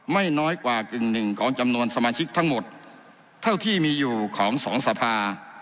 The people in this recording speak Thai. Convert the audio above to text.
ไม่น้อยกว่ากึ่งหนึ่งของจำนวนสมาชิกทั้งหมดเท่าที่มีอยู่ของสองสภา